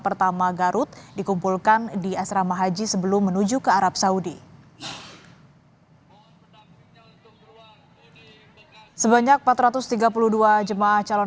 pertama garut dikumpulkan di asrama haji sebelum menuju ke arab saudi sebanyak empat ratus tiga puluh dua jemaah calon